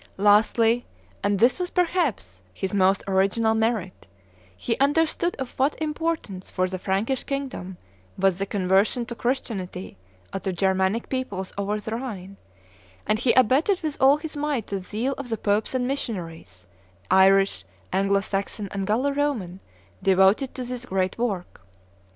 Lastly, and this was, perhaps, his most original merit, he understood of what importance, for the Frankish kingdom, was the conversion to Christianity of the Germanic peoples over the Rhine, and he abetted with all his might the zeal of the popes and missionaries, Irish, Anglo Saxon, and Gallo Roman, devoted to this great work.